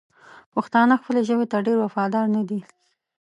پښتانه خپلې ژبې ته ډېر وفادار ندي!